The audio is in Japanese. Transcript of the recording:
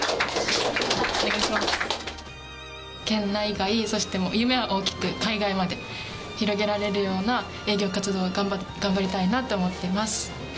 県内外そして夢は大きく海外まで広げられるような営業活動を頑張りたいなって思っています。